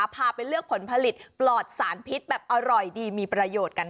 พาไปเลือกผลผลิตปลอดสารพิษแบบอร่อยดีมีประโยชน์กัน